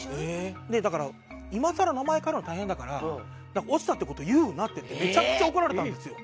だから今更名前変えるの大変だから「落ちたって事言うな」ってめちゃくちゃ怒られたんですよ。